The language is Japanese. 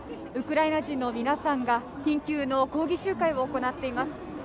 ウクライナ人の皆さんが緊急の抗議集会を行っています。